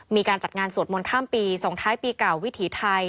มีการจัดงานสวดมนต์ข้ามปีส่งท้ายปีเก่าวิถีไทย